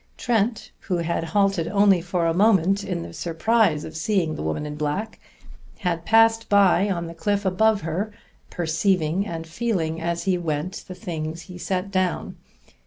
Trent, who had halted only for a moment in the surprise of seeing the woman in black, had passed by on the cliff above her, perceiving and feeling as he went the things set down.